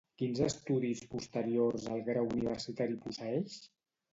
Quins estudis posteriors al grau universitari posseeix?